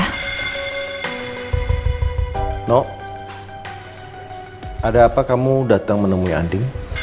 nok ada apa kamu datang menemui andi